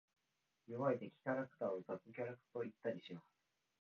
弱い敵キャラクターを雑魚キャラと言ったりします。